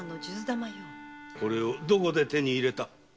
これをどこで手に入れた？